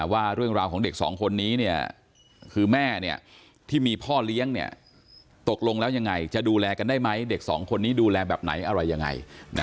ว่าเรื่องราวของเด็กสองคนนี้คือแม่ที่มีพ่อเลี้ยงตกลงแล้วยังไงจะดูแลกันได้ไหมเด็กสองคนนี้ดูแลแบบไหนอะไรยังไง